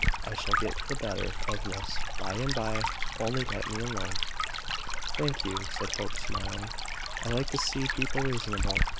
I shall get the better of this, by and by: only let me alone." "Thank you!" said Hope, smiling. "I like to see people reasonable!